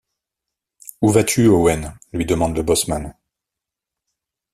Où vas-tu, Owen? lui demande le bosseman.